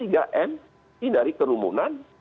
ini dari kerumunan